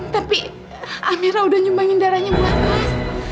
tapi amirah sudah menyumbangkan darahnya buat mas